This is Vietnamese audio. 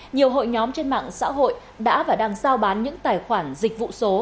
nhiều hội nhóm trên mạng xã hội đã và đang giao bán những tài khoản dịch vụ số